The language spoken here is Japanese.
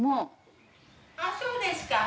あぁそうですか。